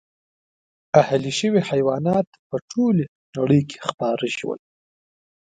اهلي شوي حیوانات په ټولې نړۍ کې خپاره شول.